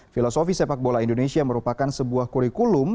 filosofi sepak bola indonesia merupakan sebuah kurikulum